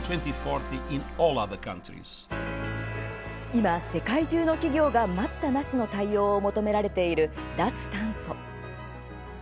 今、世界中の企業が待ったなしの対応を求められている脱炭素。